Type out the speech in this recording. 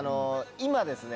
今ですね